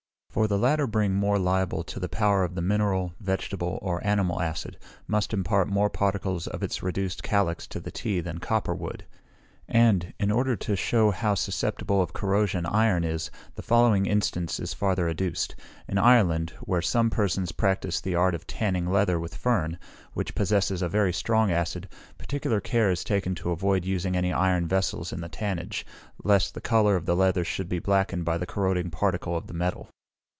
For the latter bring more liable to the power of the mineral, vegetable, or animal acid, must impart more particles of its reduced calax to the tea than copper would. And, in order to shew how susceptible of corrosion iron is, the following instance is farther adduced: in Ireland, where some persons practise the art of tanning leather with fern, which possesses a very strong acid, particular care is taken to avoid using any iron vessels in the tannage, lest the colour of the leather should be blackened by the corroding particle of the metal.